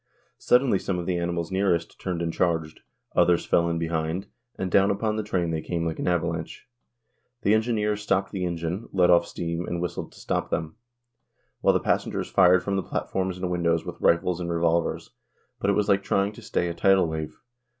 Suddenly some of the animals nearest turned and charged; others fell in behind, and down upon the train they came like an avalanche. The engineer stopped the engine, let off steam and whistled to stop them, while the passengers fired from the platforms and windows with rifles and revolvers, but it was like trying to stay a tidal wave.